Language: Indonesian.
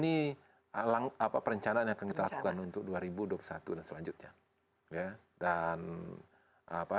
ini perencanaan yang akan kita lakukan untuk dua ribu dua puluh satu dan selanjutnya